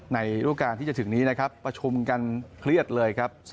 รูปการณ์ที่จะถึงนี้นะครับประชุมกันเครียดเลยครับ